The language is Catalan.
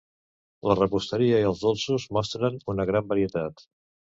La repostería i els dolços mostren una gran varietat.